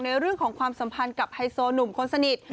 เรื่องของความสัมพันธ์กับไฮโซหนุ่มคนสนิท